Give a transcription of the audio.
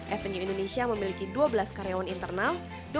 avenue indonesia memiliki dua belas karyawan internal